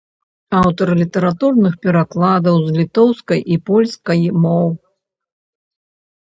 Аўтар літаратурных перакладаў з літоўскай і польскай моў.